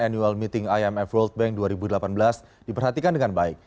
annual meeting imf world bank dua ribu delapan belas diperhatikan dengan baik